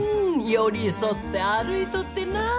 寄り添って歩いとってなぁ。